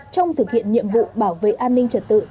trong thực hiện nhiệm vụ bảo vệ an ninh trật tự